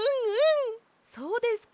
そうですか！？